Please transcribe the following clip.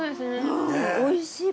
おいしい